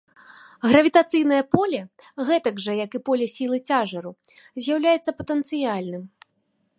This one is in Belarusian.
Гравітацыйнае поле, гэтак жа як і поле сілы цяжару, з'яўляецца патэнцыяльным.